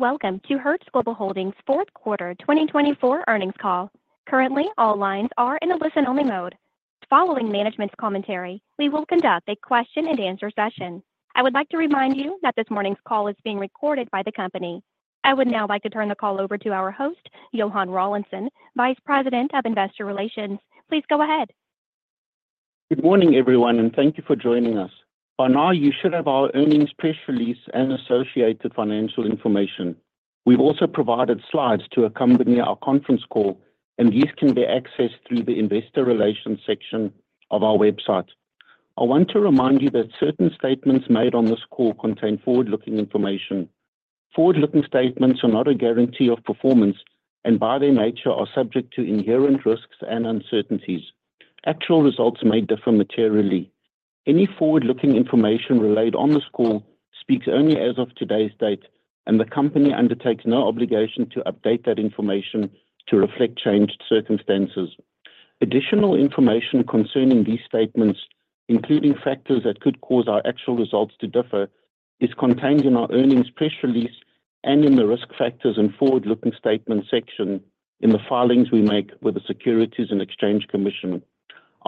Welcome to Hertz Global Holdings' fourth quarter 2024 earnings call. Currently, all lines are in a listen-only mode. Following management's commentary, we will conduct a question-and-answer session. I would like to remind you that this morning's call is being recorded by the company. I would now like to turn the call over to our host, Johann Rawlinson, Vice President of Investor Relations. Please go ahead. Good morning, everyone, and thank you for joining us. By now, you should have our earnings press release and associated financial information. We've also provided slides to accompany our conference call, and these can be accessed through the Investor Relations section of our website. I want to remind you that certain statements made on this call contain forward-looking information. Forward-looking statements are not a guarantee of performance and, by their nature, are subject to inherent risks and uncertainties. Actual results may differ materially. Any forward-looking information relayed on this call speaks only as of today's date, and the company undertakes no obligation to update that information to reflect changed circumstances. Additional information concerning these statements, including factors that could cause our actual results to differ, is contained in our earnings press release and in the risk factors and forward-looking statements section in the filings we make with the Securities and Exchange Commission.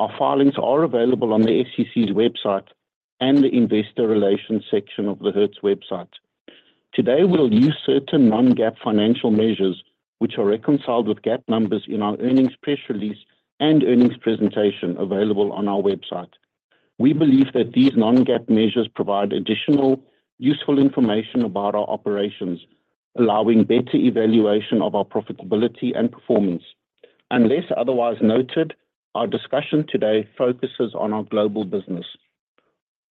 Our filings are available on the SEC's website and the Investor Relations section of the Hertz website. Today, we'll use certain non-GAAP financial measures, which are reconciled with GAAP numbers in our earnings press release and earnings presentation available on our website. We believe that these non-GAAP measures provide additional useful information about our operations, allowing better evaluation of our profitability and performance. Unless otherwise noted, our discussion today focuses on our global business.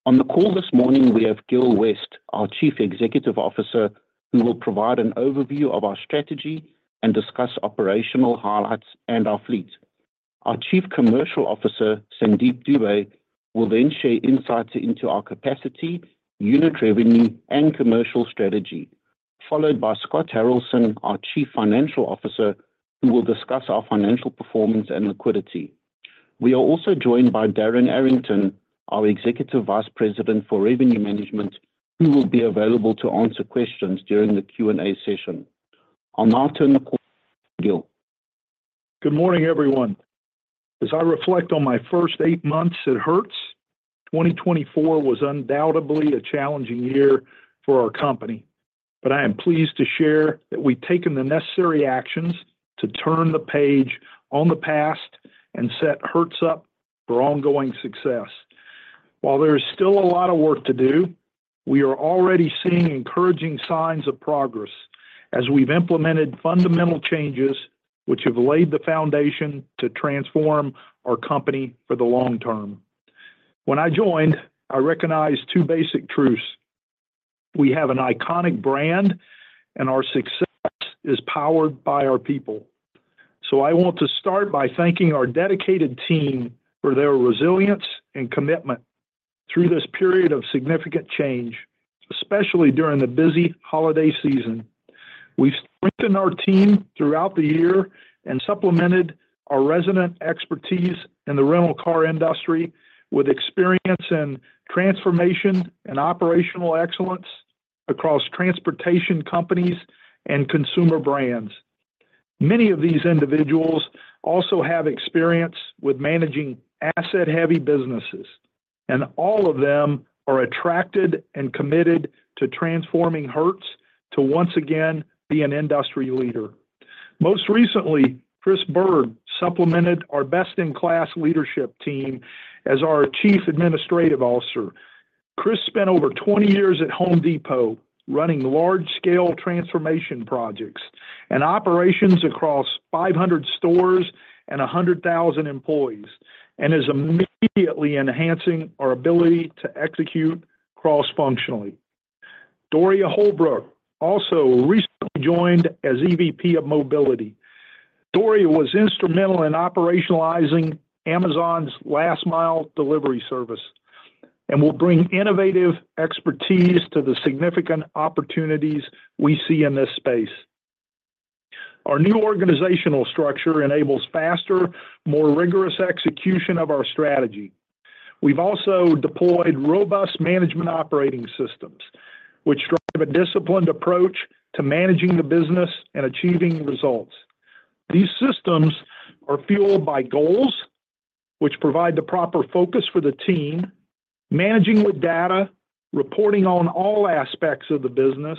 On the call this morning, we have Gil West, our Chief Executive Officer, who will provide an overview of our strategy and discuss operational highlights and our fleet. Our Chief Commercial Officer, Sandeep Dube, will then share insights into our capacity, unit revenue, and commercial strategy, followed by Scott Haralson, our Chief Financial Officer, who will discuss our financial performance and liquidity. We are also joined by Darren Arrington, our Executive Vice President for Revenue Management, who will be available to answer questions during the Q&A session. I'll now turn the call to Gil. Good morning, everyone. As I reflect on my first eight months at Hertz, 2024 was undoubtedly a challenging year for our company, but I am pleased to share that we've taken the necessary actions to turn the page on the past and set Hertz up for ongoing success. While there is still a lot of work to do, we are already seeing encouraging signs of progress as we've implemented fundamental changes which have laid the foundation to transform our company for the long term. When I joined, I recognized two basic truths: we have an iconic brand, and our success is powered by our people. So I want to start by thanking our dedicated team for their resilience and commitment through this period of significant change, especially during the busy holiday season. We've strengthened our team throughout the year and supplemented our resident expertise in the rental car industry with experience in transformation and operational excellence across transportation companies and consumer brands. Many of these individuals also have experience with managing asset-heavy businesses, and all of them are attracted and committed to transforming Hertz to once again be an industry leader. Most recently, Chris Byrd supplemented our best-in-class leadership team as our Chief Administrative Officer. Chris spent over 20 years at Home Depot running large-scale transformation projects and operations across 500 stores and 100,000 employees and is immediately enhancing our ability to execute cross-functionally. Doria Holbrook also recently joined as EVP of Mobility. Doria was instrumental in operationalizing Amazon's Last Mile delivery service and will bring innovative expertise to the significant opportunities we see in this space. Our new organizational structure enables faster, more rigorous execution of our strategy. We've also deployed robust management operating systems, which drive a disciplined approach to managing the business and achieving results. These systems are fueled by goals, which provide the proper focus for the team, managing with data, reporting on all aspects of the business,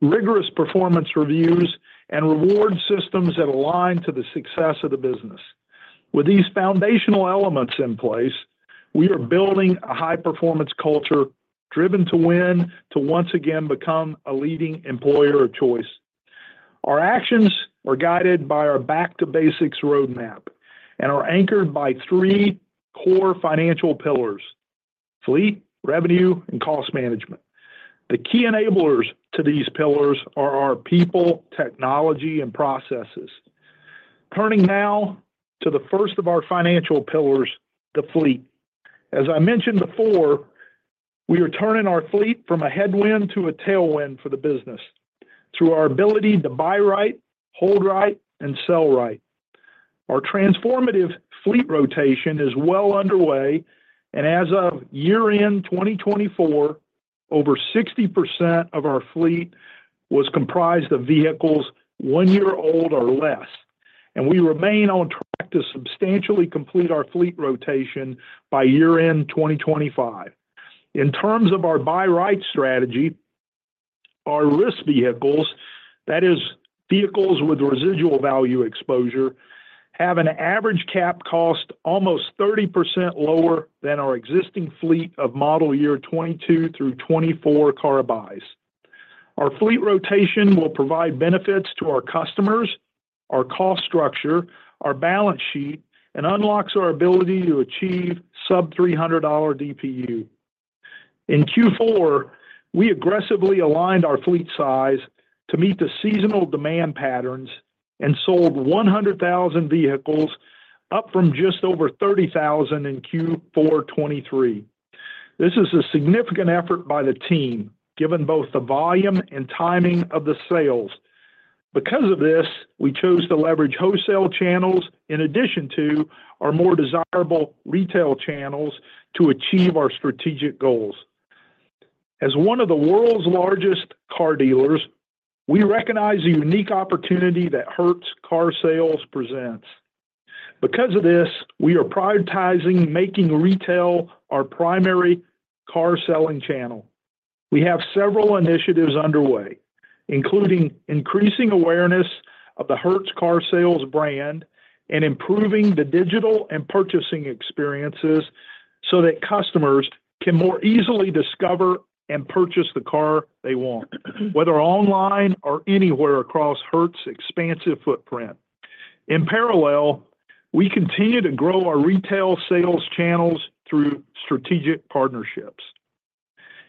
rigorous performance reviews, and reward systems that align to the success of the business. With these foundational elements in place, we are building a high-performance culture driven to win to once again become a leading employer of choice. Our actions are guided by our Back-to-Basics roadmap and are anchored by three core financial pillars: fleet, revenue, and cost management. The key enablers to these pillars are our people, technology, and processes. Turning now to the first of our financial pillars, the fleet. As I mentioned before, we are turning our fleet from a headwind to a tailwind for the business through our ability to buy right, hold right, and sell right. Our transformative fleet rotation is well underway, and as of year-end 2024, over 60% of our fleet was comprised of vehicles one year old or less, and we remain on track to substantially complete our fleet rotation by year-end 2025. In terms of our buy right strategy, our risk vehicles, that is, vehicles with residual value exposure, have an average cap cost almost 30% lower than our existing fleet of model year 2022 through 2024 car buys. Our fleet rotation will provide benefits to our customers, our cost structure, our balance sheet, and unlocks our ability to achieve sub-$300 DPU. In Q4, we aggressively aligned our fleet size to meet the seasonal demand patterns and sold 100,000 vehicles, up from just over 30,000 in Q4 2023. This is a significant effort by the team, given both the volume and timing of the sales. Because of this, we chose to leverage wholesale channels in addition to our more desirable retail channels to achieve our strategic goals. As one of the world's largest car dealers, we recognize the unique opportunity that Hertz Car Sales presents. Because of this, we are prioritizing making retail our primary car selling channel. We have several initiatives underway, including increasing awareness of the Hertz Car Sales brand and improving the digital and purchasing experiences so that customers can more easily discover and purchase the car they want, whether online or anywhere across Hertz's expansive footprint. In parallel, we continue to grow our retail sales channels through strategic partnerships.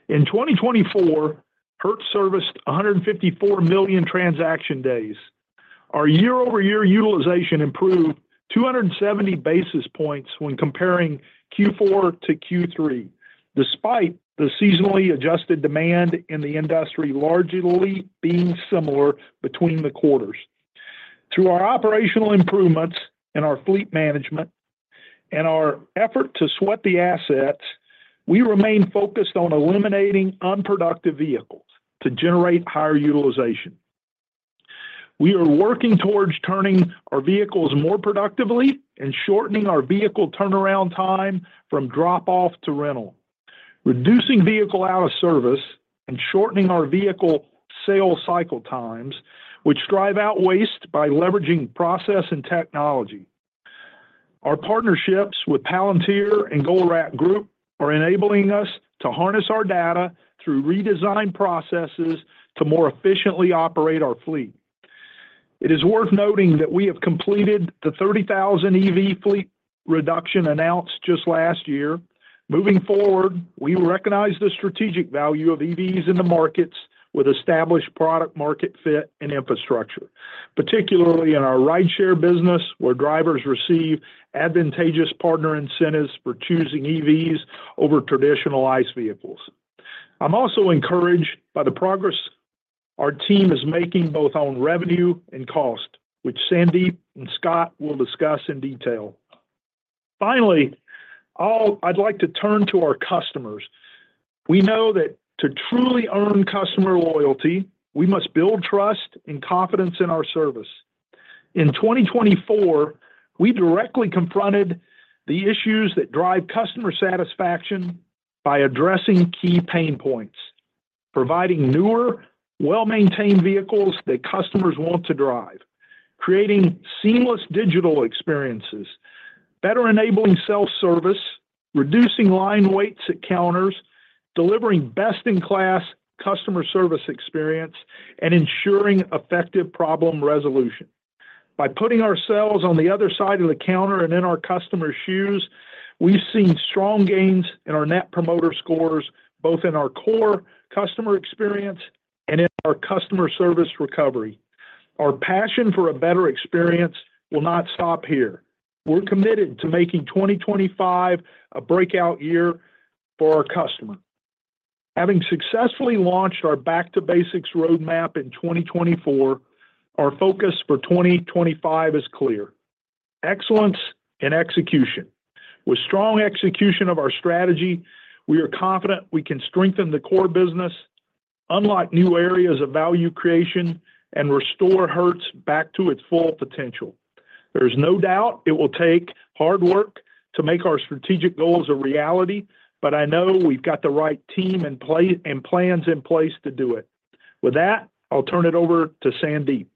In 2024, Hertz serviced 154 million transaction days. Our year-over-year utilization improved 270 basis points when comparing Q4 to Q3, despite the seasonally adjusted demand in the industry largely being similar between the quarters. Through our operational improvements in our fleet management and our effort to sweat the assets, we remain focused on eliminating unproductive vehicles to generate higher utilization. We are working towards turning our vehicles more productively and shortening our vehicle turnaround time from drop-off to rental, reducing vehicle out-of-service, and shortening our vehicle sale cycle times, which drive out waste by leveraging process and technology. Our partnerships with Palantir and Colrac Group are enabling us to harness our data through redesigned processes to more efficiently operate our fleet. It is worth noting that we have completed the 30,000 EV fleet reduction announced just last year. Moving forward, we recognize the strategic value of EVs in the markets with established product-market fit and infrastructure, particularly in our rideshare business, where drivers receive advantageous partner incentives for choosing EVs over traditional ICE vehicles. I'm also encouraged by the progress our team is making both on revenue and cost, which Sandeep and Scott will discuss in detail. Finally, I'd like to turn to our customers. We know that to truly earn customer loyalty, we must build trust and confidence in our service. In 2024, we directly confronted the issues that drive customer satisfaction by addressing key pain points, providing newer, well-maintained vehicles that customers want to drive, creating seamless digital experiences, better enabling self-service, reducing line waits at counters, delivering best-in-class customer service experience, and ensuring effective problem resolution. By putting ourselves on the other side of the counter and in our customer's shoes, we've seen strong gains in our net promoter scores, both in our core customer experience and in our customer service recovery. Our passion for a better experience will not stop here. We're committed to making 2025 a breakout year for our customer. Having successfully launched our Back-to-Basics roadmap in 2024, our focus for 2025 is clear: excellence in execution. With strong execution of our strategy, we are confident we can strengthen the core business, unlock new areas of value creation, and restore Hertz back to its full potential. There is no doubt it will take hard work to make our strategic goals a reality, but I know we've got the right team and plans in place to do it. With that, I'll turn it over to Sandeep.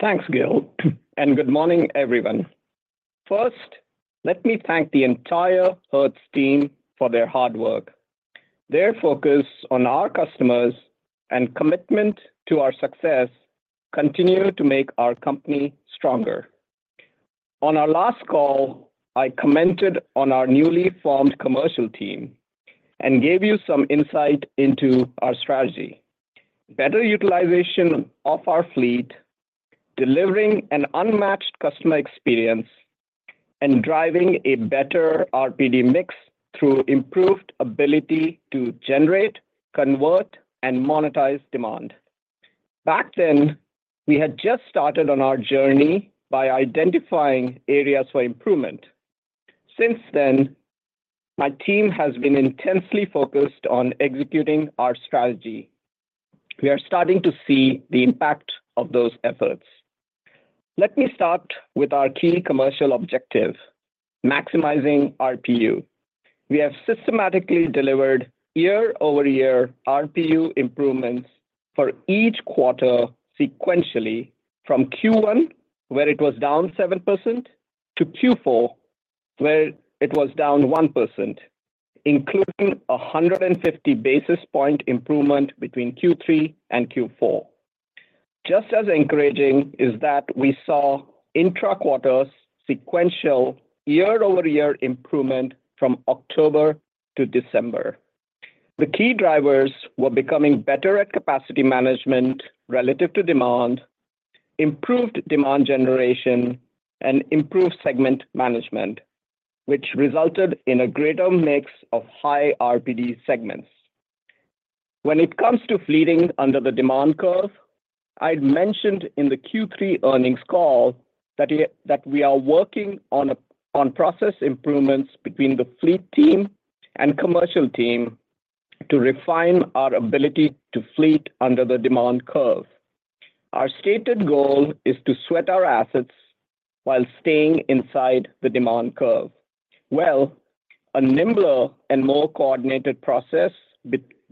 Thanks, Gil, and good morning, everyone. First, let me thank the entire Hertz team for their hard work. Their focus on our customers and commitment to our success continue to make our company stronger. On our last call, I commented on our newly formed commercial team and gave you some insight into our strategy: better utilization of our fleet, delivering an unmatched customer experience, and driving a better RPD mix through improved ability to generate, convert, and monetize demand. Back then, we had just started on our journey by identifying areas for improvement. Since then, my team has been intensely focused on executing our strategy. We are starting to see the impact of those efforts. Let me start with our key commercial objective: maximizing RPU. We have systematically delivered year-over-year RPU improvements for each quarter sequentially from Q1, where it was down 7%, to Q4, where it was down 1%, including a 150 basis points improvement between Q3 and Q4. Just as encouraging is that we saw intra-quarters sequential year-over-year improvement from October to December. The key drivers were becoming better at capacity management relative to demand, improved demand generation, and improved segment management, which resulted in a greater mix of high RPD segments. When it comes to fleet under the demand curve, I'd mentioned in the Q3 earnings call that we are working on process improvements between the fleet team and commercial team to refine our ability to fleet under the demand curve. Our stated goal is to sweat our assets while staying inside the demand curve. A nimble and more coordinated process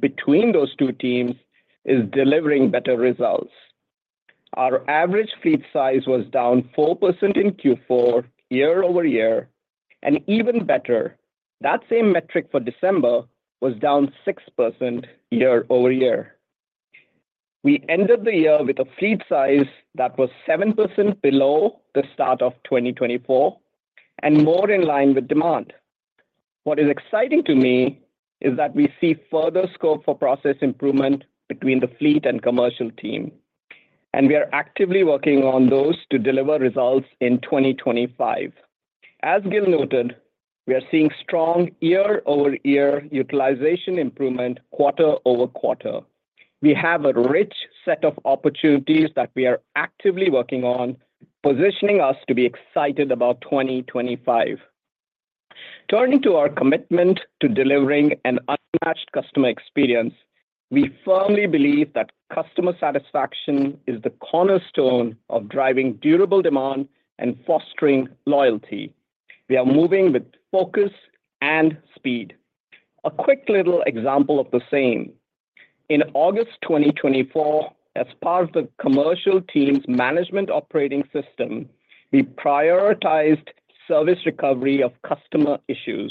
between those two teams is delivering better results. Our average fleet size was down 4% in Q4 year-over-year, and even better, that same metric for December was down 6% year-over-year. We ended the year with a fleet size that was 7% below the start of 2024 and more in line with demand. What is exciting to me is that we see further scope for process improvement between the fleet and commercial team, and we are actively working on those to deliver results in 2025. As Gil noted, we are seeing strong year-over-year utilization improvement quarter over quarter. We have a rich set of opportunities that we are actively working on, positioning us to be excited about 2025. Turning to our commitment to delivering an unmatched customer experience, we firmly believe that customer satisfaction is the cornerstone of driving durable demand and fostering loyalty. We are moving with focus and speed. A quick little example of the same. In August 2024, as part of the commercial team's management operating system, we prioritized service recovery of customer issues.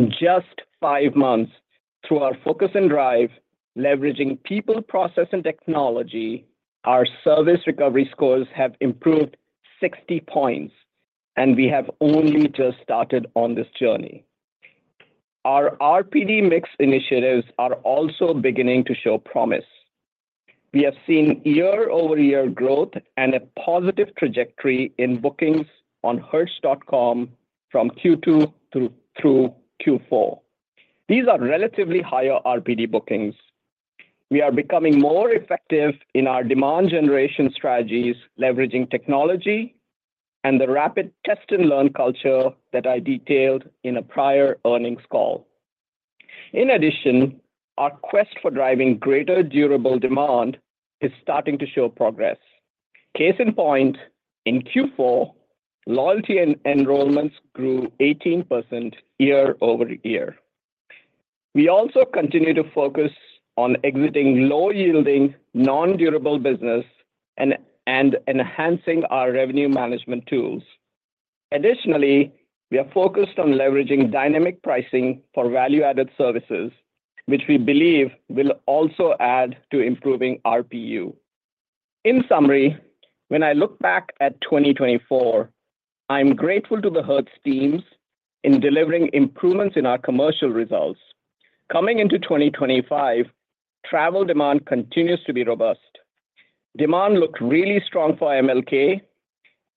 In just five months, through our focus and drive, leveraging people, process, and technology, our service recovery scores have improved 60 points, and we have only just started on this journey. Our RPD mix initiatives are also beginning to show promise. We have seen year-over-year growth and a positive trajectory in bookings on hertz.com from Q2 through Q4. These are relatively higher RPD bookings. We are becoming more effective in our demand generation strategies, leveraging technology and the rapid test-and-learn culture that I detailed in a prior earnings call. In addition, our quest for driving greater durable demand is starting to show progress. Case in point, in Q4, loyalty enrollments grew 18% year-over-year. We also continue to focus on exiting low-yielding, non-durable business and enhancing our revenue management tools. Additionally, we are focused on leveraging dynamic pricing for value-added services, which we believe will also add to improving RPU. In summary, when I look back at 2024, I'm grateful to the Hertz teams in delivering improvements in our commercial results. Coming into 2025, travel demand continues to be robust. Demand looked really strong for MLK,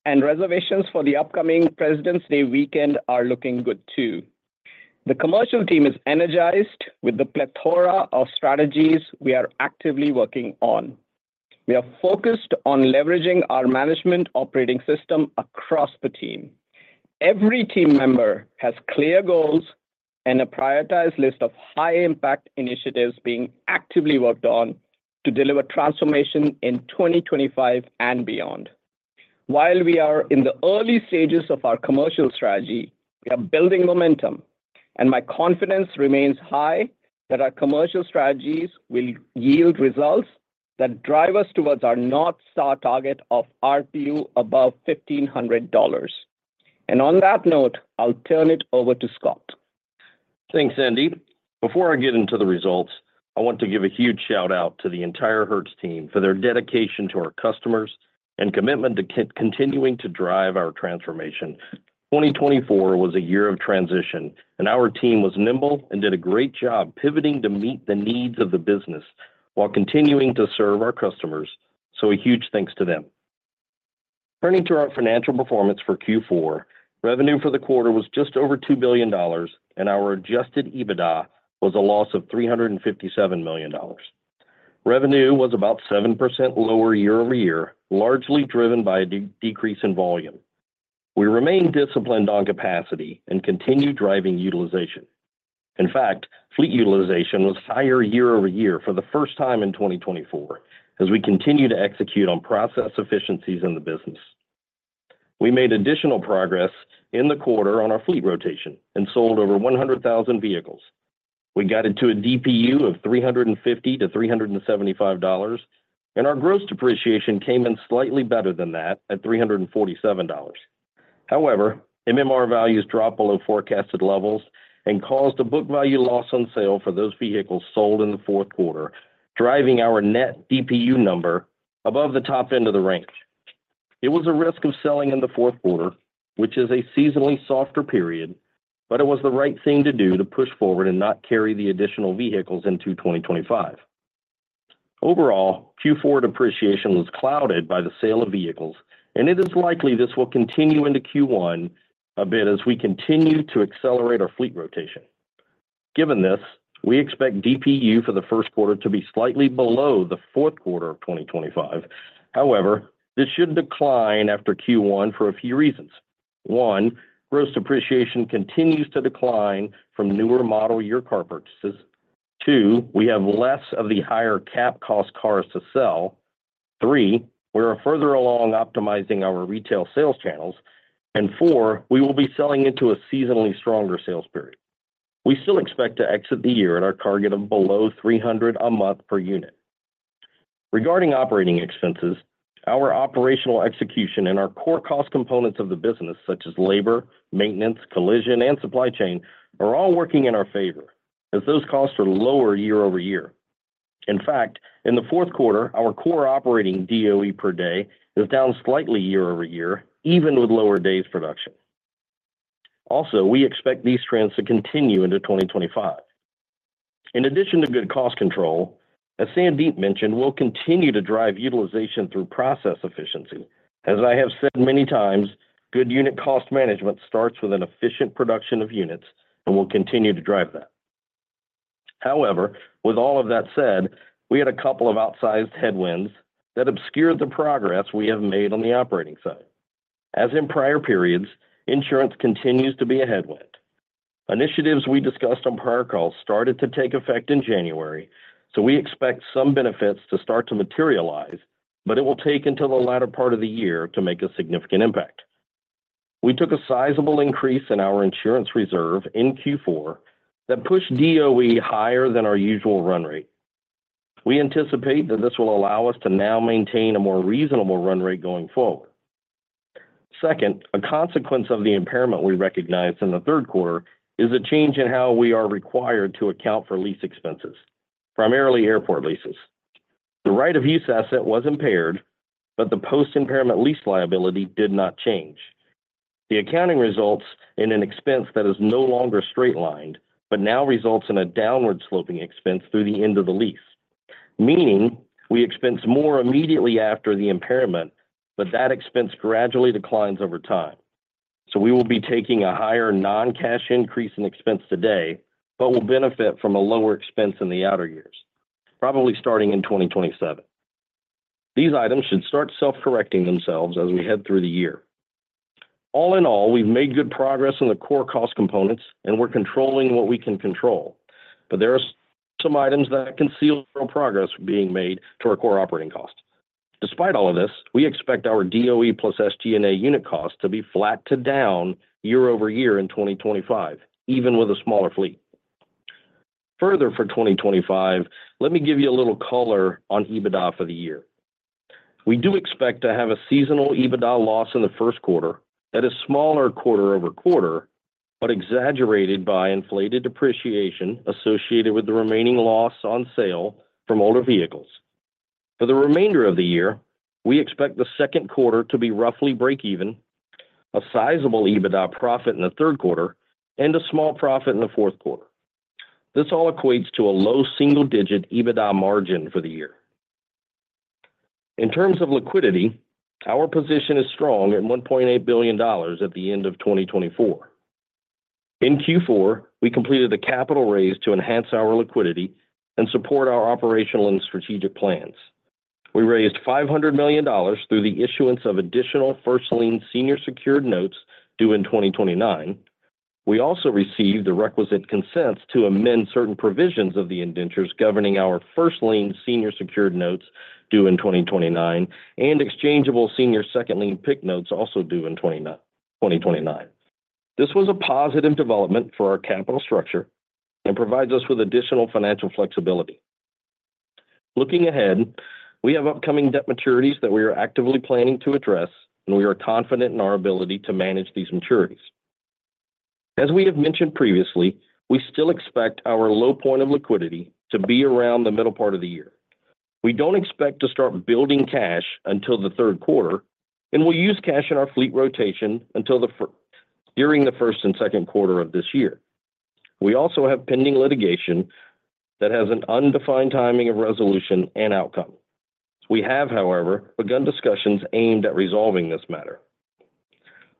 and reservations for the upcoming Presidents' Day weekend are looking good too. The commercial team is energized with the plethora of strategies we are actively working on. We are focused on leveraging our management operating system across the team. Every team member has clear goals and a prioritized list of high-impact initiatives being actively worked on to deliver transformation in 2025 and beyond. While we are in the early stages of our commercial strategy, we are building momentum, and my confidence remains high that our commercial strategies will yield results that drive us towards our North Star target of RPU above $1,500, and on that note, I'll turn it over to Scott. Thanks, Sandeep. Before I get into the results, I want to give a huge shout-out to the entire Hertz team for their dedication to our customers and commitment to continuing to drive our transformation. 2024 was a year of transition, and our team was nimble and did a great job pivoting to meet the needs of the business while continuing to serve our customers, so a huge thanks to them. Turning to our financial performance for Q4, revenue for the quarter was just over $2 billion, and our Adjusted EBITDA was a loss of $357 million. Revenue was about 7% lower year-over-year, largely driven by a decrease in volume. We remained disciplined on capacity and continued driving utilization. In fact, fleet utilization was higher year-over-year for the first time in 2024 as we continued to execute on process efficiencies in the business. We made additional progress in the quarter on our fleet rotation and sold over 100,000 vehicles. We got into a DPU of $350-$375, and our gross depreciation came in slightly better than that at $347. However, MMR values dropped below forecasted levels and caused a book value loss on sale for those vehicles sold in the fourth quarter, driving our net DPU number above the top end of the range. It was a risk of selling in the fourth quarter, which is a seasonally softer period, but it was the right thing to do to push forward and not carry the additional vehicles into 2025. Overall, Q4 depreciation was clouded by the sale of vehicles, and it is likely this will continue into Q1 a bit as we continue to accelerate our fleet rotation. Given this, we expect DPU for the first quarter to be slightly below the fourth quarter of 2025. However, this should decline after Q1 for a few reasons. One, gross depreciation continues to decline from newer model year car purchases. Two, we have less of the higher cap cost cars to sell. Three, we are further along optimizing our retail sales channels. And four, we will be selling into a seasonally stronger sales period. We still expect to exit the year at our target of below $300 a month per unit. Regarding operating expenses, our operational execution and our core cost components of the business, such as labor, maintenance, collision, and supply chain, are all working in our favor as those costs are lower year-over-year. In fact, in the fourth quarter, our core operating DOE per day is down slightly year-over-year, even with lower days production. Also, we expect these trends to continue into 2025. In addition to good cost control, as Sandeep mentioned, we'll continue to drive utilization through process efficiency. As I have said many times, good unit cost management starts with an efficient production of units and will continue to drive that. However, with all of that said, we had a couple of outsized headwinds that obscured the progress we have made on the operating side. As in prior periods, insurance continues to be a headwind. Initiatives we discussed on prior calls started to take effect in January, so we expect some benefits to start to materialize, but it will take until the latter part of the year to make a significant impact. We took a sizable increase in our insurance reserve in Q4 that pushed DOE higher than our usual run rate. We anticipate that this will allow us to now maintain a more reasonable run rate going forward. Second, a consequence of the impairment we recognized in the third quarter is a change in how we are required to account for lease expenses, primarily airport leases. The right-of-use asset was impaired, but the post-impairment lease liability did not change. The accounting results in an expense that is no longer straight-lined, but now results in a downward-sloping expense through the end of the lease, meaning we expense more immediately after the impairment, but that expense gradually declines over time. So we will be taking a higher non-cash increase in expense today, but we'll benefit from a lower expense in the outer years, probably starting in 2027. These items should start self-correcting themselves as we head through the year. All in all, we've made good progress on the core cost components, and we're controlling what we can control, but there are some items that conceal real progress being made to our core operating cost. Despite all of this, we expect our DOE plus SG&A unit cost to be flat to down year-over-year in 2025, even with a smaller fleet. Further for 2025, let me give you a little color on EBITDA for the year. We do expect to have a seasonal EBITDA loss in the first quarter that is smaller quarter over quarter, but exaggerated by inflated depreciation associated with the remaining loss on sale from older vehicles. For the remainder of the year, we expect the second quarter to be roughly break-even, a sizable EBITDA profit in the third quarter, and a small profit in the fourth quarter. This all equates to a low single-digit EBITDA margin for the year. In terms of liquidity, our position is strong at $1.8 billion at the end of 2024. In Q4, we completed a capital raise to enhance our liquidity and support our operational and strategic plans. We raised $500 million through the issuance of additional first lien senior secured notes due in 2029. We also received the requisite consents to amend certain provisions of the indentures governing our first lien senior secured notes due in 2029 and exchangeable senior second lien PIK notes also due in 2029. This was a positive development for our capital structure and provides us with additional financial flexibility. Looking ahead, we have upcoming debt maturities that we are actively planning to address, and we are confident in our ability to manage these maturities. As we have mentioned previously, we still expect our low point of liquidity to be around the middle part of the year. We don't expect to start building cash until the third quarter, and we'll use cash in our fleet rotation during the first and second quarter of this year. We also have pending litigation that has an undefined timing of resolution and outcome. We have, however, begun discussions aimed at resolving this matter.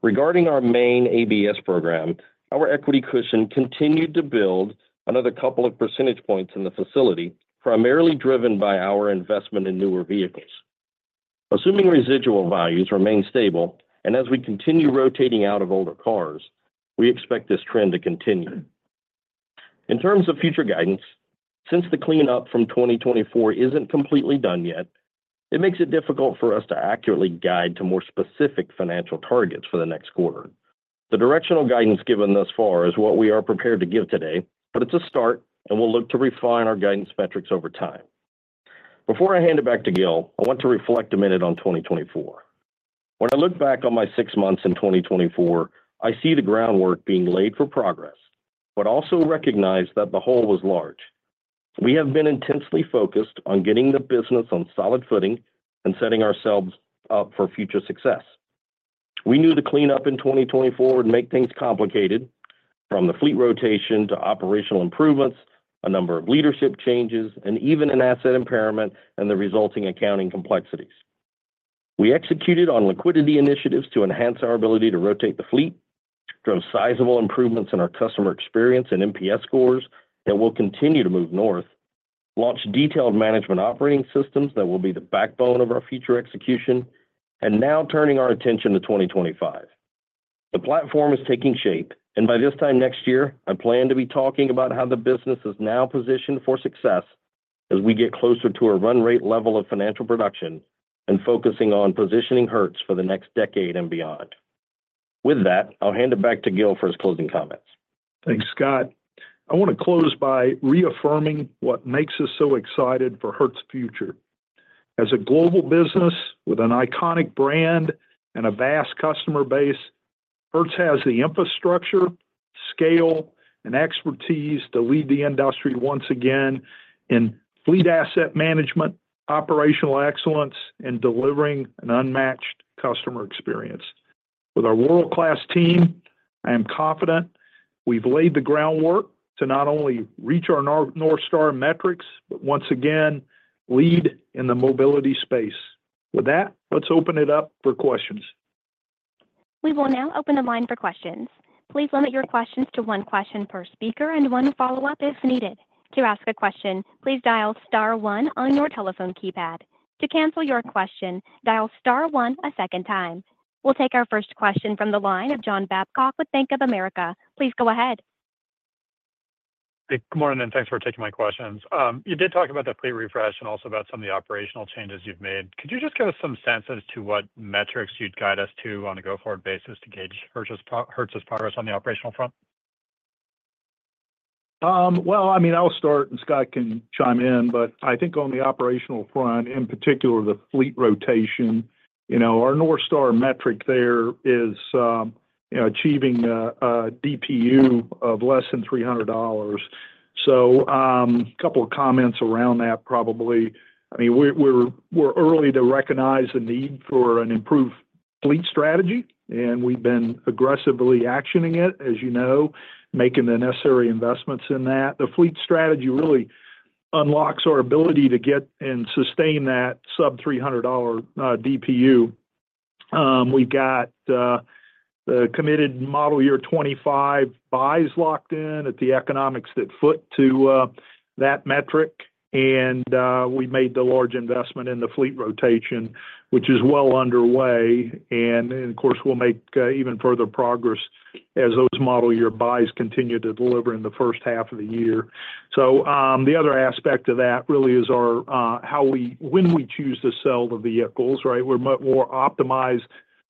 Regarding our main ABS program, our equity cushion continued to build another couple of percentage points in the facility, primarily driven by our investment in newer vehicles. Assuming residual values remain stable and as we continue rotating out of older cars, we expect this trend to continue. In terms of future guidance, since the cleanup from 2024 isn't completely done yet, it makes it difficult for us to accurately guide to more specific financial targets for the next quarter. The directional guidance given thus far is what we are prepared to give today, but it's a start, and we'll look to refine our guidance metrics over time. Before I hand it back to Gil, I want to reflect a minute on 2024. When I look back on my six months in 2024, I see the groundwork being laid for progress, but also recognize that the hole was large. We have been intensely focused on getting the business on solid footing and setting ourselves up for future success. We knew the cleanup in 2024 would make things complicated, from the fleet rotation to operational improvements, a number of leadership changes, and even an asset impairment and the resulting accounting complexities. We executed on liquidity initiatives to enhance our ability to rotate the fleet, drove sizable improvements in our customer experience and NPS scores that will continue to move north, launched detailed management operating systems that will be the backbone of our future execution, and now turning our attention to 2025. The platform is taking shape, and by this time next year, I plan to be talking about how the business is now positioned for success as we get closer to a run rate level of financial production and focusing on positioning Hertz for the next decade and beyond. With that, I'll hand it back to Gil for his closing comments. Thanks, Scott. I want to close by reaffirming what makes us so excited for Hertz future. As a global business with an iconic brand and a vast customer base, Hertz has the infrastructure, scale, and expertise to lead the industry once again in fleet asset management, operational excellence, and delivering an unmatched customer experience. With our world-class team, I am confident we've laid the groundwork to not only reach our North Star metrics, but once again lead in the mobility space. With that, let's open it up for questions. We will now open the line for questions. Please limit your questions to one question per speaker and one follow-up if needed. To ask a question, please dial star one on your telephone keypad. To cancel your question, dial star one a second time. We'll take our first question from the line of John Babcock with Bank of America. Please go ahead. Hey, good morning, and thanks for taking my questions. You did talk about the fleet refresh and also about some of the operational changes you've made. Could you just give us some sense as to what metrics you'd guide us to on a go-forward basis to gauge Hertz's progress on the operational front? I mean, I'll start, and Scott can chime in, but I think on the operational front, in particular, the fleet rotation, our North Star metric there is achieving a DPU of less than $300. So a couple of comments around that, probably. I mean, we're early to recognize the need for an improved fleet strategy, and we've been aggressively actioning it, as you know, making the necessary investments in that. The fleet strategy really unlocks our ability to get and sustain that sub-$300 DPU. We've got the committed model year 2025 buys locked in at the economics that foot to that metric, and we made the large investment in the fleet rotation, which is well underway. And of course, we'll make even further progress as those model year buys continue to deliver in the first half of the year. So the other aspect of that really is how we choose to sell the vehicles, right? We're much more optimized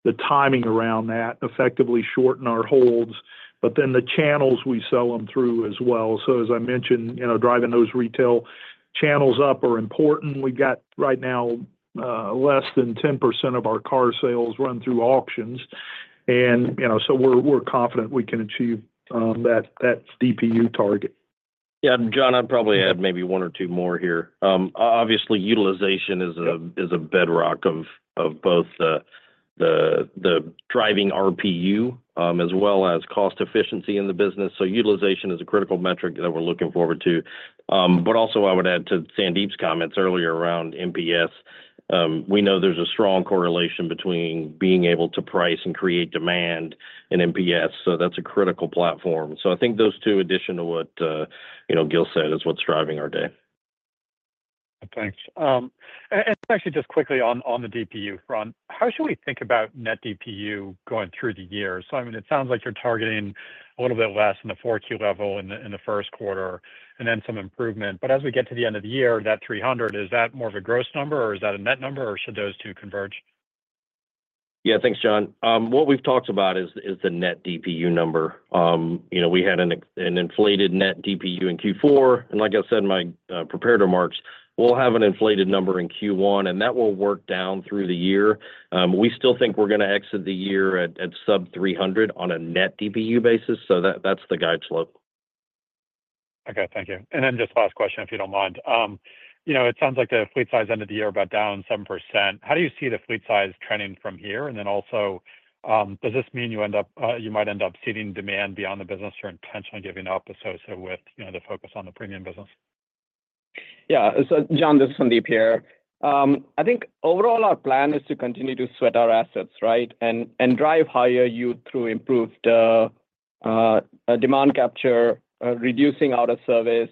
the timing around that, effectively shorten our holds, but then the channels we sell them through as well. So as I mentioned, driving those retail channels up are important. We've got right now less than 10% of our car sales run through auctions, and so we're confident we can achieve that DPU target. Yeah, and John, I'd probably add maybe one or two more here. Obviously, utilization is a bedrock of both the driving RPU as well as cost efficiency in the business. So utilization is a critical metric that we're looking forward to. But also, I would add to Sandeep's comments earlier around NPS. We know there's a strong correlation between being able to price and create demand in NPS, so that's a critical platform. So I think those two addition to what Gil said is what's driving our day. Thanks. And actually, just quickly on the DPU front, how should we think about net DPU going through the year? So I mean, it sounds like you're targeting a little bit less in the 4Q level in the first quarter and then some improvement. But as we get to the end of the year, that 300, is that more of a gross number or is that a net number, or should those two converge? Yeah, thanks, John. What we've talked about is the net DPU number. We had an inflated net DPU in Q4, and like I said in my prepared remarks, we'll have an inflated number in Q1, and that will work down through the year. We still think we're going to exit the year at sub-300 on a net DPU basis, so that's the guide slope. Okay, thank you. And then just last question, if you don't mind. It sounds like the fleet size ended the year about down 7%. How do you see the fleet size trending from here? And then also, does this mean you might end up seeing demand beyond the business or intentionally giving up associated with the focus on the premium business? Yeah. So John, this is Sandeep here. I think overall our plan is to continue to sweat our assets, right, and drive higher yield through improved demand capture, reducing out-of-service,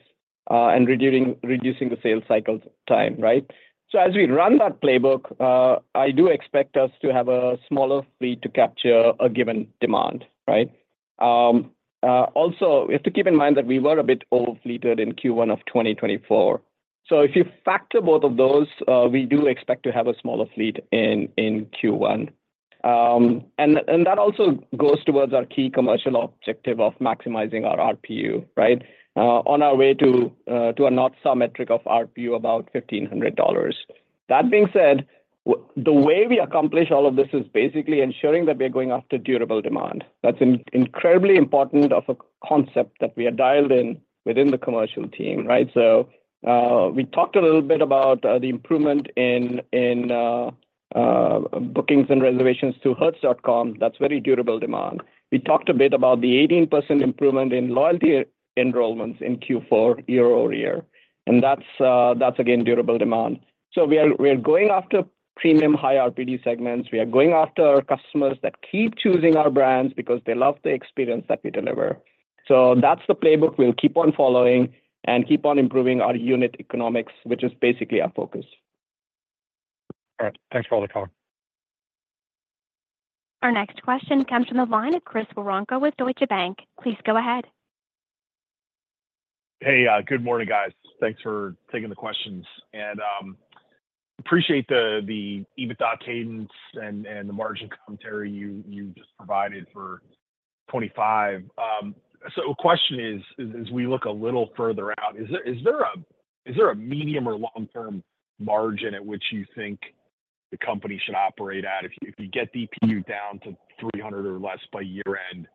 and reducing the sales cycle time, right? So as we run that playbook, I do expect us to have a smaller fleet to capture a given demand, right? Also, we have to keep in mind that we were a bit overfleeted in Q1 of 2024. So if you factor both of those, we do expect to have a smaller fleet in Q1. And that also goes towards our key commercial objective of maximizing our RPU, right, on our way to a long-term metric of RPU about $1,500. That being said, the way we accomplish all of this is basically ensuring that we're going after durable demand. That's incredibly important of a concept that we are dialed in within the commercial team, right? So we talked a little bit about the improvement in bookings and reservations to hertz.com. That's very durable demand. We talked a bit about the 18% improvement in loyalty enrollments in Q4 year-over-year, and that's, again, durable demand. So we're going after premium high RPD segments. We are going after our customers that keep choosing our brands because they love the experience that we deliver. So that's the playbook we'll keep on following and keep on improving our unit economics, which is basically our focus. All right. Thanks for all the call. Our next question comes from the line of Chris Woronka with Deutsche Bank. Please go ahead. Hey, good morning, guys. Thanks for taking the questions. And I appreciate the EBITDA cadence and the margin commentary you just provided for 2025. So the question is, as we look a little further out, is there a medium or long-term margin at which you think the company should operate at? If you get DPU down to 300 or less by year-end,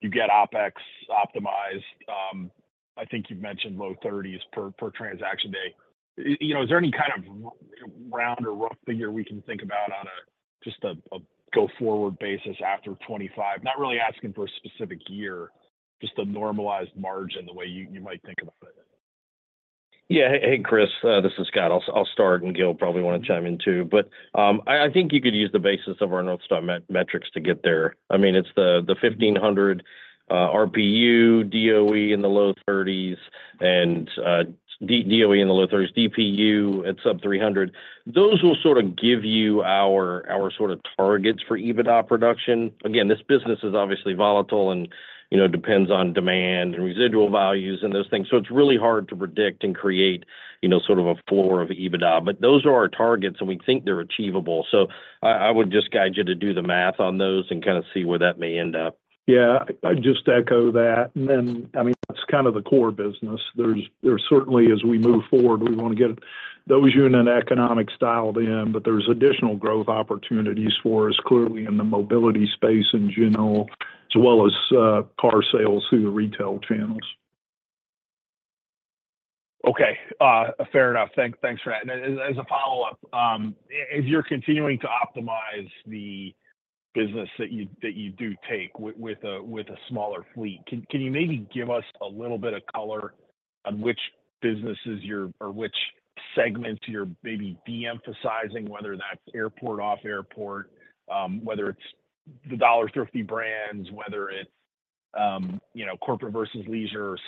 you get OpEx optimized. I think you've mentioned low 30s per transaction day. Is there any kind of round or rough figure we can think about on a just a go-forward basis after 2025? Not really asking for a specific year, just a normalized margin the way you might think of it. Yeah. Hey, Chris, this is Scott. I'll start, and Gil probably want to chime in too. But I think you could use the basis of our North Star metrics to get there. I mean, it's the 1,500 RPU, DOE in the low 30s, and DOE in the low 30s, DPU at sub-300. Those will sort of give you our sort of targets for EBITDA production. Again, this business is obviously volatile and depends on demand and residual values and those things. So it's really hard to predict and create sort of a floor of EBITDA. But those are our targets, and we think they're achievable. So I would just guide you to do the math on those and kind of see where that may end up. Yeah. I'd just echo that. And then, I mean, that's kind of the core business. There's certainly, as we move forward, we want to get those unit economics dialed in, but there's additional growth opportunities for us clearly in the mobility space in general, as well as car sales through the retail channels. Okay. Fair enough. Thanks for that. And as a follow-up, if you're continuing to optimize the business that you do take with a smaller fleet, can you maybe give us a little bit of color on which businesses or which segments you're maybe de-emphasizing, whether that's airport, off-airport, whether it's the Dollar Thrifty brands, whether it's corporate versus leisure, or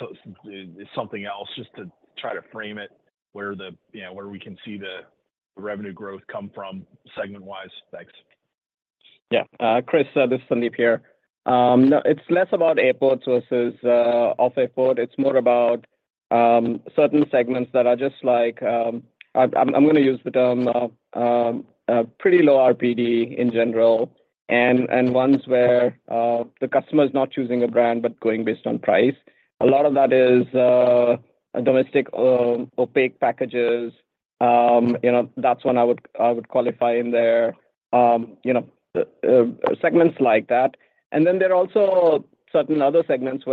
something else, just to try to frame it where we can see the revenue growth come from segment-wise? Thanks. Yeah. Chris, this is Sandeep here. It's less about airports versus off-airport. It's more about certain segments that are just like I'm going to use the term pretty low RPD in general and ones where the customer is not choosing a brand but going based on price. A lot of that is domestic opaque packages. That's one I would qualify in there. Segments like that. And then there are also certain other segments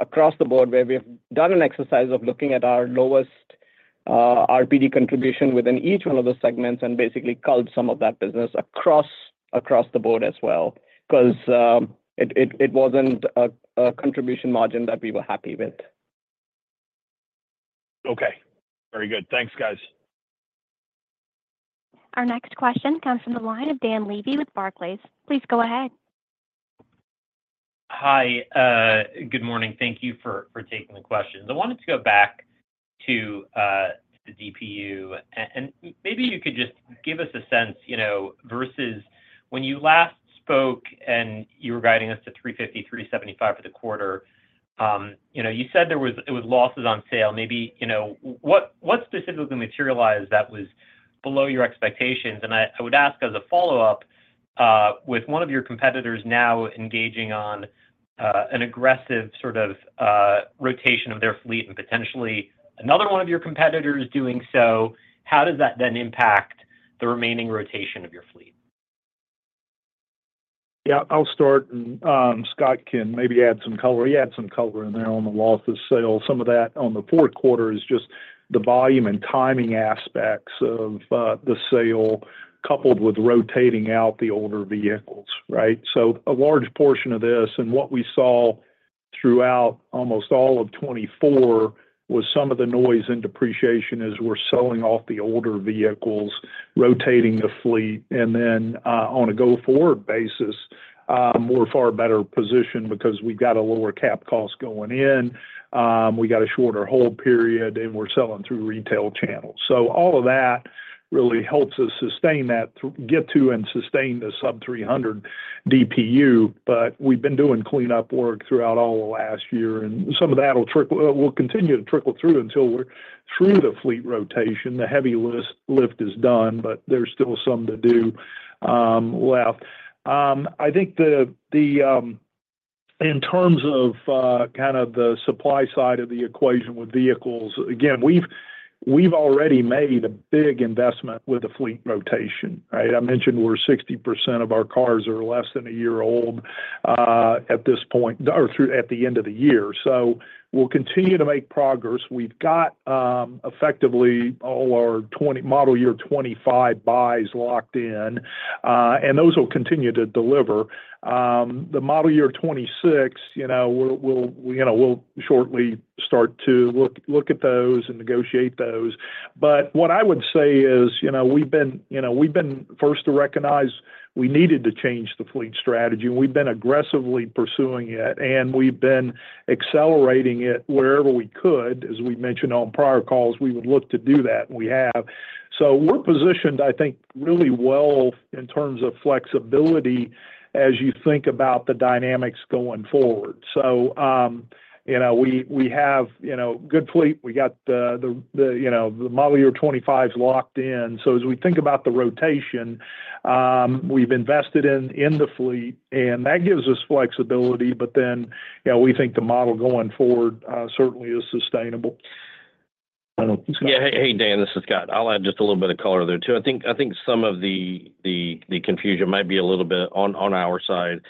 across the board where we've done an exercise of looking at our lowest RPD contribution within each one of those segments and basically culled some of that business across the board as well because it wasn't a contribution margin that we were happy with. Okay. Very good. Thanks, guys. Our next question comes from the line of Dan Levy with Barclays. Please go ahead. Hi. Good morning. Thank you for taking the question. I wanted to go back to the DPU, and maybe you could just give us a sense versus when you last spoke and you were guiding us to 350-375 for the quarter. You said there were losses on sale. Maybe what specifically materialized that was below your expectations? And I would ask as a follow-up, with one of your competitors now engaging on an aggressive sort of rotation of their fleet and potentially another one of your competitors doing so, how does that then impact the remaining rotation of your fleet? Yeah. I'll start, and Scott can maybe add some color. He adds some color in there on the loss of sales. Some of that on the fourth quarter is just the volume and timing aspects of the sale coupled with rotating out the older vehicles, right? So a large portion of this and what we saw throughout almost all of 2024 was some of the noise and depreciation as we're selling off the older vehicles, rotating the fleet, and then on a go-forward basis, we're in a far better position because we've got a lower cap cost going in. We got a shorter hold period, and we're selling through retail channels. So all of that really helps us get to and sustain the sub-300 DPU, but we've been doing cleanup work throughout all the last year, and some of that will continue to trickle through until we're through the fleet rotation. The heavy lift is done, but there's still some to do left. I think in terms of kind of the supply side of the equation with vehicles, again, we've already made a big investment with the fleet rotation, right? I mentioned we're 60% of our cars are less than a year old at this point or at the end of the year. So we'll continue to make progress. We've got effectively all our model year 2025 buys locked in, and those will continue to deliver. The model year 2026, we'll shortly start to look at those and negotiate those. But what I would say is we've been first to recognize we needed to change the fleet strategy, and we've been aggressively pursuing it, and we've been accelerating it wherever we could. As we mentioned on prior calls, we would look to do that, and we have. So we're positioned, I think, really well in terms of flexibility as you think about the dynamics going forward. So we have a good fleet. We got the model year 2025s locked in. So as we think about the rotation, we've invested in the fleet, and that gives us flexibility, but then we think the model going forward certainly is sustainable. Yeah. Hey, Dan, this is Scott. I'll add just a little bit of color there too. I think some of the confusion might be a little bit on our side.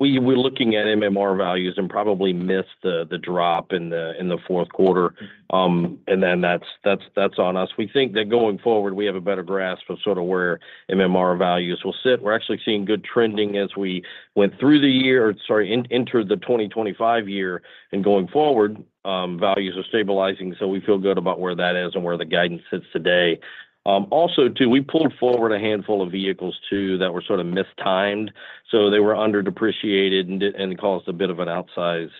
We're looking at MMR values and probably missed the drop in the fourth quarter, and then that's on us. We think that going forward, we have a better grasp of sort of where MMR values will sit. We're actually seeing good trending as we went through the year or, sorry, entered the 2025 year, and going forward, values are stabilizing, so we feel good about where that is and where the guidance sits today. Also too, we pulled forward a handful of vehicles too that were sort of mistimed, so they were under-depreciated and caused a bit of an outsized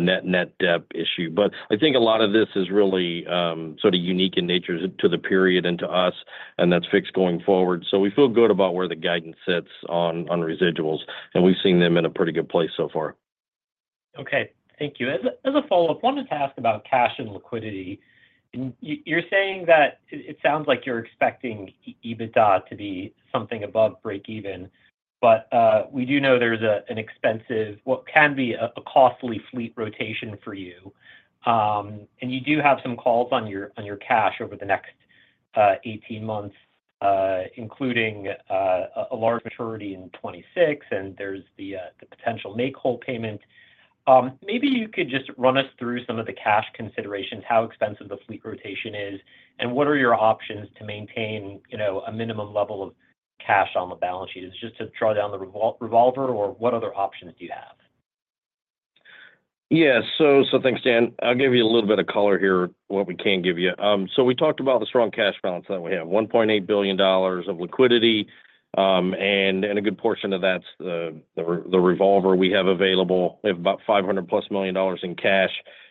net debt issue. But I think a lot of this is really sort of unique in nature to the period and to us, and that's fixed going forward. So we feel good about where the guidance sits on residuals, and we've seen them in a pretty good place so far. Okay. Thank you. As a follow-up, I wanted to ask about cash and liquidity. You're saying that it sounds like you're expecting EBITDA to be something above break-even, but we do know there's an expensive, what can be a costly fleet rotation for you. And you do have some calls on your cash over the next 18 months, including a large maturity in 2026, and there's the potential make-whole payment. Maybe you could just run us through some of the cash considerations, how expensive the fleet rotation is, and what are your options to maintain a minimum level of cash on the balance sheet? Is it just to draw down the revolver, or what other options do you have? Yeah. So thanks, Dan. I'll give you a little bit of color here, what we can give you. So we talked about the strong cash balance that we have: $1.8 billion of liquidity, and a good portion of that's the revolver we have available. We have about $500+ million in cash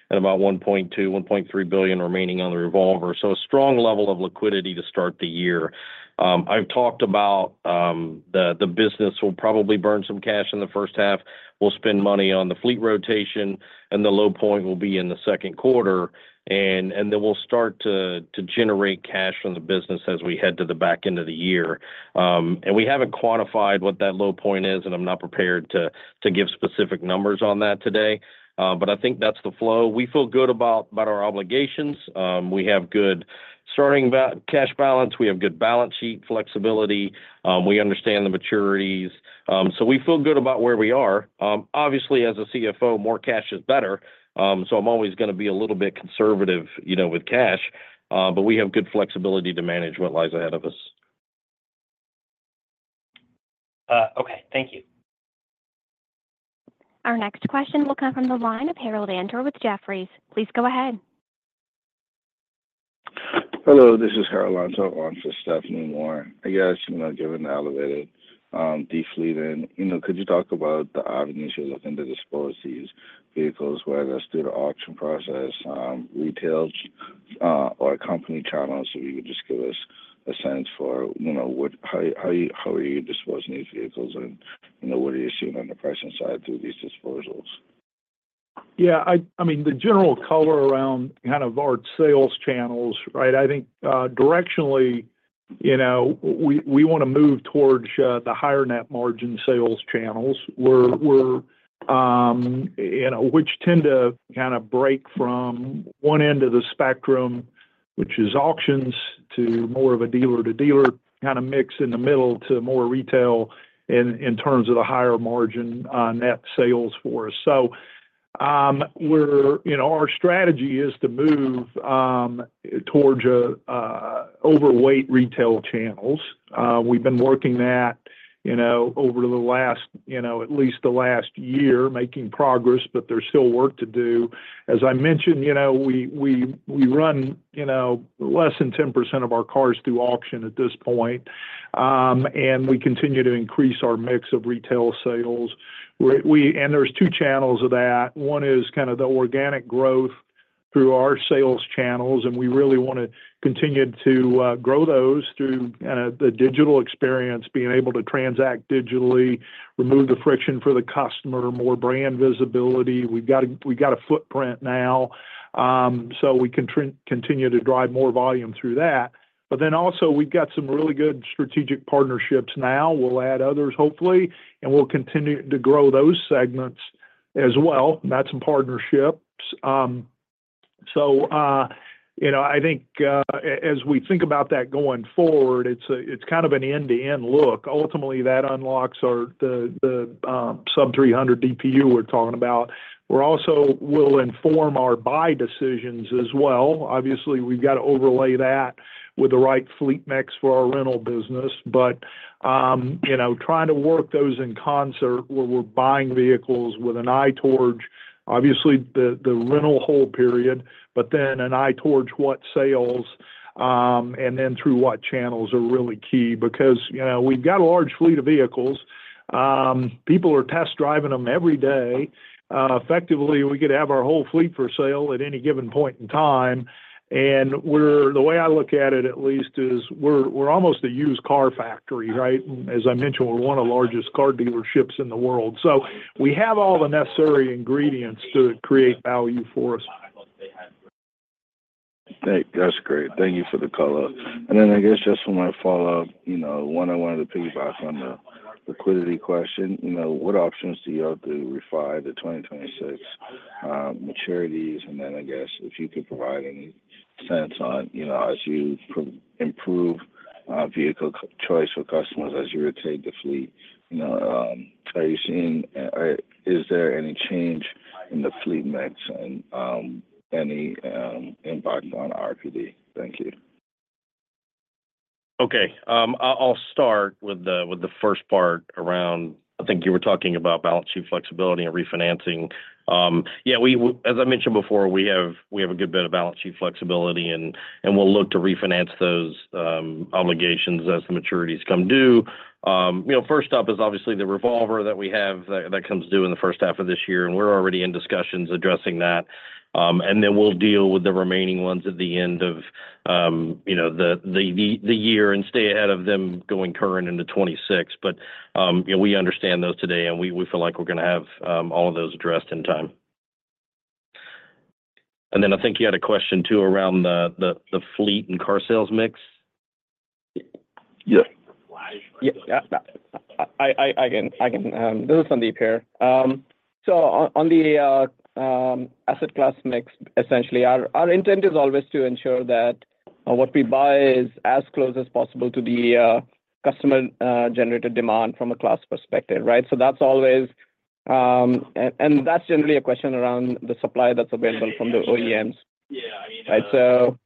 and about $1.2 billion-$1.3 billion remaining on the revolver. So a strong level of liquidity to start the year. I've talked about the business will probably burn some cash in the first half. We'll spend money on the fleet rotation, and the low point will be in the second quarter. And then we'll start to generate cash from the business as we head to the back end of the year. And we haven't quantified what that low point is, and I'm not prepared to give specific numbers on that today, but I think that's the flow. We feel good about our obligations. We have good starting cash balance. We have good balance sheet flexibility. We understand the maturities. So we feel good about where we are. Obviously, as a CFO, more cash is better, so I'm always going to be a little bit conservative with cash, but we have good flexibility to manage what lies ahead of us. Okay. Thank you. Our next question will come from the line of Harold Antor with Jefferies. Please go ahead. Hello. This is Harold Antor. I'm with Stephanie Moore. I guess given the elevated deflation, could you talk about the avenues you're looking to dispose of these vehicles? Whether that's through the auction process, retails, or company channels? So if you could just give us a sense for how are you disposing of these vehicles and what are you seeing on the pricing side through these disposals? Yeah. I mean, the general color around kind of our sales channels, right? I think directionally, we want to move towards the higher net margin sales channels, which tend to kind of break from one end of the spectrum, which is auctions, to more of a dealer-to-dealer kind of mix in the middle to more retail in terms of the higher margin net sales for us. So our strategy is to move towards overweight retail channels. We've been working that over the last, at least the last year, making progress, but there's still work to do. As I mentioned, we run less than 10% of our cars through auction at this point, and we continue to increase our mix of retail sales. And there's two channels of that. One is kind of the organic growth through our sales channels, and we really want to continue to grow those through kind of the digital experience, being able to transact digitally, remove the friction for the customer, more brand visibility. We've got a footprint now, so we can continue to drive more volume through that. But then also, we've got some really good strategic partnerships now. We'll add others, hopefully, and we'll continue to grow those segments as well. That's in partnerships. So I think as we think about that going forward, it's kind of an end-to-end look. Ultimately, that unlocks the sub-300 DPI we're talking about. We'll inform our buy decisions as well. Obviously, we've got to overlay that with the right fleet mix for our rental business, but trying to work those in concert where we're buying vehicles with an eye towards, obviously, the rental hold period, but then an eye towards what sales and then through what channels are really key because we've got a large fleet of vehicles. People are test-driving them every day. Effectively, we could have our whole fleet for sale at any given point in time. And the way I look at it, at least, is we're almost a used car factory, right? As I mentioned, we're one of the largest car dealerships in the world. So we have all the necessary ingredients to create value for us. That's great. Thank you for the color. And then I guess just for my follow-up, one I wanted to piggyback on the liquidity question. What options do you have to refi the 2026 maturities? And then I guess if you could provide any sense on, as you improve vehicle choice for customers as you rotate the fleet, are you seeing or is there any change in the fleet mix and any impact on RPD? Thank you. Okay. I'll start with the first part around. I think you were talking about balance sheet flexibility and refinancing. Yeah. As I mentioned before, we have a good bit of balance sheet flexibility, and we'll look to refinance those obligations as the maturities come due. First up is obviously the revolver that we have that comes due in the first half of this year, and we're already in discussions addressing that, and then we'll deal with the remaining ones at the end of the year and stay ahead of them going forward into 2026. But we understand those today, and we feel like we're going to have all of those addressed in time, and then I think you had a question too around the fleet and car sales mix. Yes. Yeah. I can. This is Sandeep here. So on the asset class mix, essentially, our intent is always to ensure that what we buy is as close as possible to the customer-generated demand from a class perspective, right? So that's always, and that's generally a question around the supply that's available from the OEMs, right? So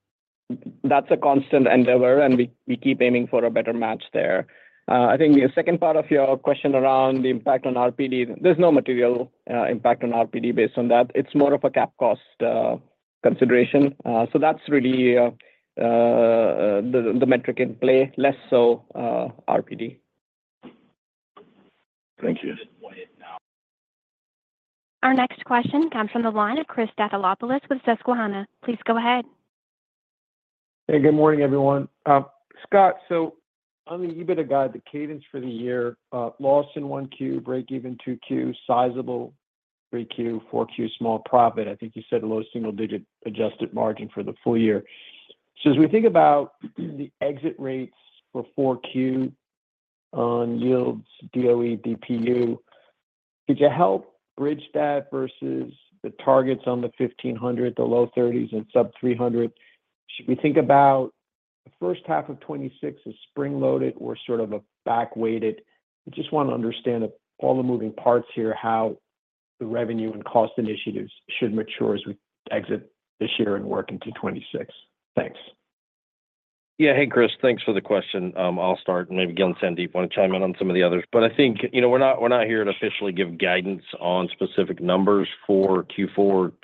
that's a constant endeavor, and we keep aiming for a better match there. I think the second part of your question around the impact on RPD, there's no material impact on RPD based on that. It's more of a cap cost consideration. So that's really the metric in play, less so RPD. Thank you. Our next question comes from the line of Christopher Stathoulopoulos with Susquehanna. Please go ahead. Hey, good morning, everyone. Scott, so on the EBITDA guide, the cadence for the year: loss in 1Q, break-even 2Q, sizable 3Q, 4Q small profit. I think you said low single-digit adjusted margin for the full year. So as we think about the exit rates for 4Q on yields, DOE, DPU, could you help bridge that versus the targets on the 1500, the low 30s, and sub-300? Should we think about the first half of 2026 as spring-loaded or sort of a back-weighted? I just want to understand all the moving parts here, how the revenue and cost initiatives should mature as we exit this year and work into 2026. Thanks. Yeah. Hey, Chris. Thanks for the question. I'll start, and maybe Gil and Sandeep want to chime in on some of the others. But I think we're not here to officially give guidance on specific numbers for Q4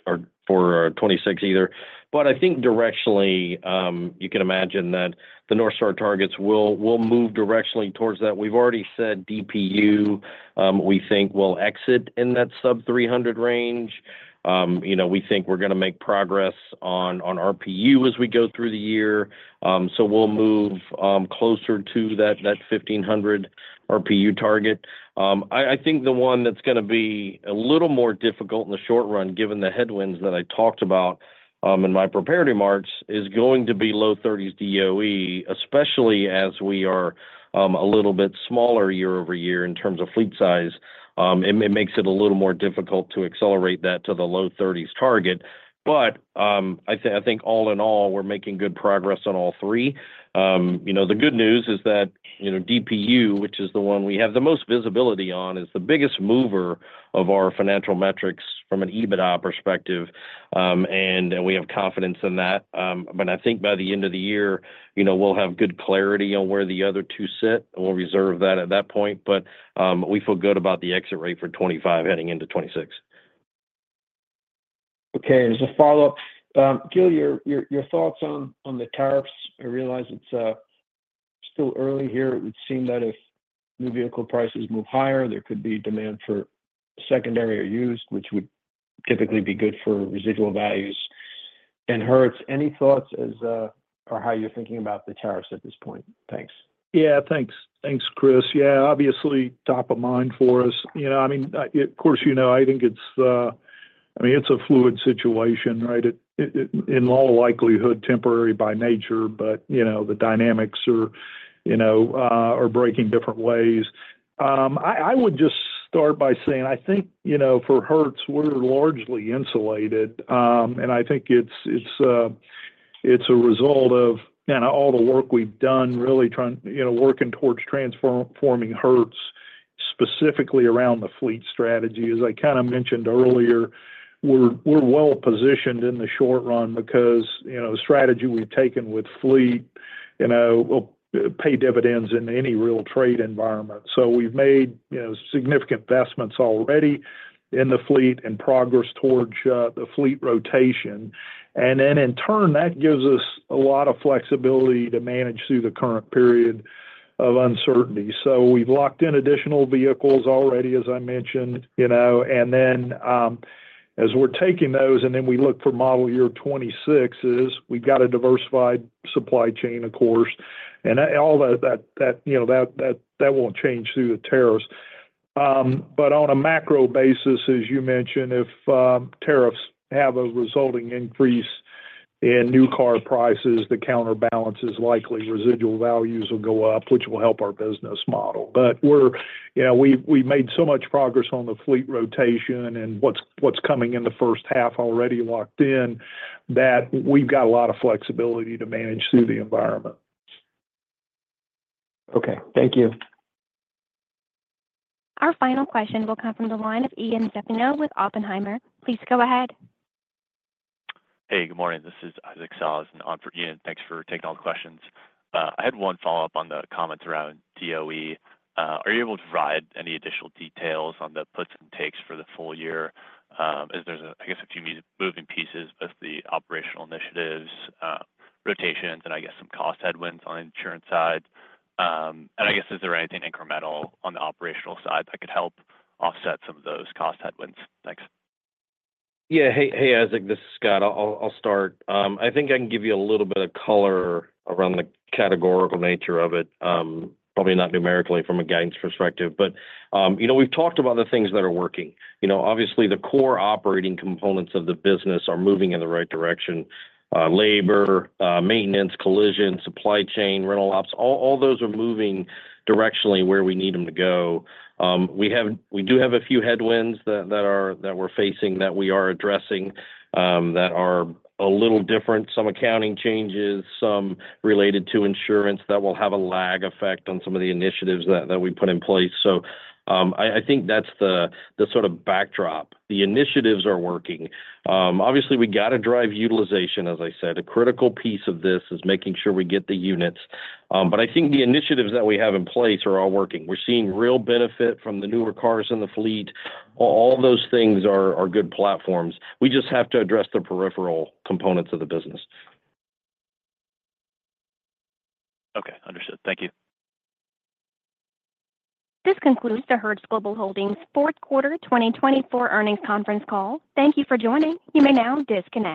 or for 2026 either. But I think directionally, you can imagine that the North Star targets will move directionally towards that. We've already said DPU, we think, will exit in that sub-300 range. We think we're going to make progress on RPU as we go through the year. So we'll move closer to that 1500 RPU target. I think the one that's going to be a little more difficult in the short run, given the headwinds that I talked about in my prepared remarks, is going to be low 30s DOE, especially as we are a little bit smaller year-over-year in terms of fleet size. It makes it a little more difficult to accelerate that to the low 30s target. But I think all in all, we're making good progress on all three. The good news is that DPU, which is the one we have the most visibility on, is the biggest mover of our financial metrics from an EBITDA perspective, and we have confidence in that. But I think by the end of the year, we'll have good clarity on where the other two sit. We'll reserve that at that point, but we feel good about the exit rate for 2025 heading into 2026. Okay. As a follow-up, Gil, your thoughts on the tariffs? I realize it's still early here. It would seem that if new vehicle prices move higher, there could be demand for secondary or used, which would typically be good for residual values. And Hertz, any thoughts as to how you're thinking about the tariffs at this point? Thanks. Yeah. Thanks. Thanks, Chris. Yeah. Obviously, top of mind for us. I mean, of course, I think it's—I mean, it's a fluid situation, right? In all likelihood, temporary by nature, but the dynamics are breaking different ways. I would just start by saying I think for Hertz, we're largely insulated, and I think it's a result of kind of all the work we've done, really working towards transforming Hertz specifically around the fleet strategy. As I kind of mentioned earlier, we're well-positioned in the short run because the strategy we've taken with fleet will pay dividends in any real trade environment. So we've made significant investments already in the fleet and progress towards the fleet rotation. And then, in turn, that gives us a lot of flexibility to manage through the current period of uncertainty. So we've locked in additional vehicles already, as I mentioned. And then as we're taking those, and then we look for model year 2026, we've got a diversified supply chain, of course. And all that won't change through the tariffs. But on a macro basis, as you mentioned, if tariffs have a resulting increase in new car prices, the counterbalance is likely residual values will go up, which will help our business model. But we've made so much progress on the fleet rotation and what's coming in the first half already locked in that we've got a lot of flexibility to manage through the environment. Okay. Thank you. Our final question will come from the line of Ian Zaffino with Oppenheimer. Please go ahead. Hey, good morning. This is Isaac Sell, Oppenheimer. Thanks for taking all the questions. I had one follow-up on the comments around DOE. Are you able to provide any additional details on the puts and takes for the full year? I guess a few moving pieces, both the operational initiatives, rotations, and I guess some cost headwinds on the insurance side. I guess is there anything incremental on the operational side that could help offset some of those cost headwinds? Thanks. Yeah. Hey, Isaac. This is Scott. I'll start. I think I can give you a little bit of color around the categorical nature of it, probably not numerically from a guidance perspective, but we've talked about the things that are working. Obviously, the core operating components of the business are moving in the right direction: labor, maintenance, collision, supply chain, rental ops. All those are moving directionally where we need them to go. We do have a few headwinds that we're facing that we are addressing that are a little different. Some accounting changes, some related to insurance that will have a lag effect on some of the initiatives that we put in place, so I think that's the sort of backdrop. The initiatives are working. Obviously, we got to drive utilization, as I said. A critical piece of this is making sure we get the units. But I think the initiatives that we have in place are all working. We're seeing real benefit from the newer cars in the fleet. All those things are good platforms. We just have to address the peripheral components of the business. Okay. Understood. Thank you. This concludes the Hertz Global Holdings fourth quarter 2024 earnings conference call. Thank you for joining. You may now disconnect.